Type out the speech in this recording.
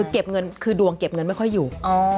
เก็บเงินคือดวงเก็บเงินไม่ค่อยอยู่